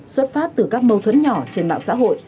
xuất phát từ các mâu thuẫn nhỏ trên mạng xã hội